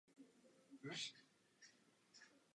Je povoleno implementovat více než jedno rozhraní.